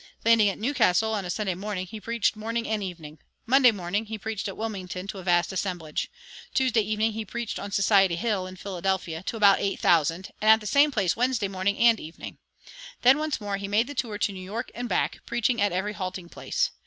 Landing at New Castle on a Sunday morning, he preached morning and evening. Monday morning he preached at Wilmington to a vast assemblage. Tuesday evening he preached on Society Hill, in Philadelphia, "to about eight thousand," and at the same place Wednesday morning and evening. Then once more he made the tour to New York and back, preaching at every halting place.